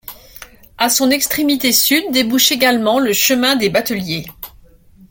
À son extrémité sud débouche également le chemin des Bateliers.